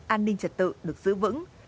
an ninh trật tự được giữ vững